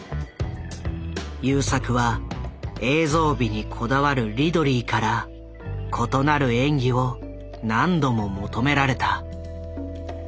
優作は映像美にこだわるリドリーから異なる演技を何度も求められた。